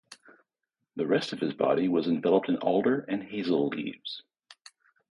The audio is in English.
The rest of his body was enveloped in alder and hazel leaves.